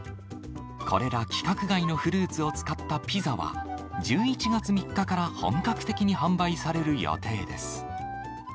これら規格外のフルーツを使ったピザは、１１月３日から本格的に販売される予定です。